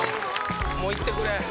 もういってくれ。